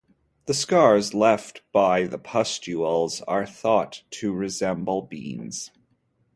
The scars left by the pustules are thought to resemble beans.